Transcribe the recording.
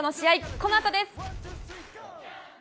このあとです。